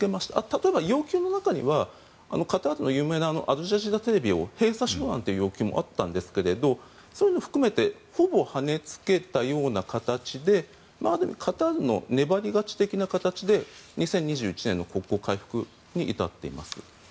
例えば要求の中にはカタールの、有名なアルジャジーラテレビを閉鎖しろなんていう要求もあったんですけれどそういうのを含めてほぼ、はねつけたような形である意味カタールの粘り勝ち的な形で２０２１年の国交回復に至っています。